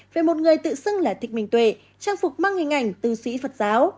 về một người tự xưng là thích minh tuệ trang phục mang hình ảnh tư sĩ phật giáo